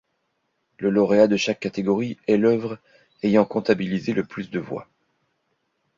Le lauréat de chaque catégorie est l’œuvre ayant comptabilisé le plus de voix.